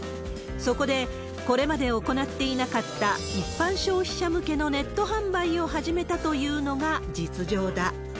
そこで、これまで行っていなかった一般消費者向けのネット販売を始めたというのが実情だ。